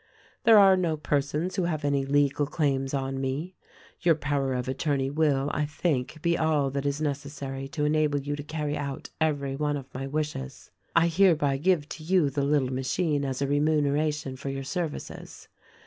"There are no persons who have any legal claims on me. Your power of attorney will, I think, be all that is necessary to enable you to carry out every one of my wishes. I hereby give to you the little machine as a remuneration for your services.